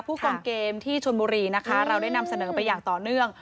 กองเกมที่ชนบุรีนะคะเราได้นำเสนอไปอย่างต่อเนื่อง